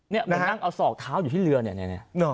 เหมือนนั่งเอาศอกเท้าอยู่ที่เรือเนี่ย